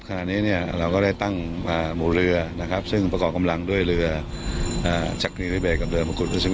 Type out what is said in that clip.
ครับขณะนี้เราก็ได้ตั้งหมู่เรือซึ่งประกอบกำลังด้วยเรือจากนิริเบสกับเรือมกุฎอุสิมาง